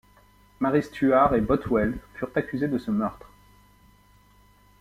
Marie Stuart et Bothwell furent accusés de ce meurtre.